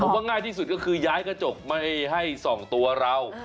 ว่าง่ายที่สุดก็คือย้ายกระจกไม่ให้ส่องตัวเรา